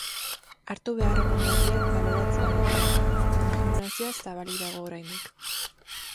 Hartu beharreko neurriak baloratzen ari dira, baina gimnasioa zabalik dago oraindik.